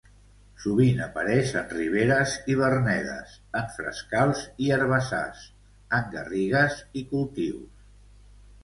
Sovint apareix en riberes i vernedes, en frescals i herbassars, en garrigues i cultius.